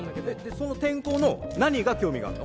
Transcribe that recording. その転校の何が興味があるの？